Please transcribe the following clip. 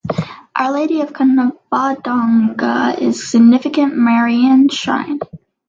Our Lady of Covadonga is a significant Marian shrine.